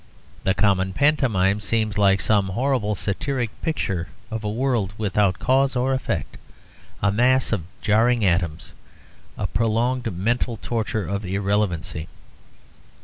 The common pantomime seems like some horrible satiric picture of a world without cause or effect, a mass of 'jarring atoms,' a prolonged mental torture of irrelevancy.